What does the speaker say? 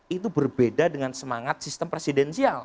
itu berbeda dengan semangat sistem presidensial